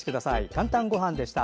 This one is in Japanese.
「かんたんごはん」でした。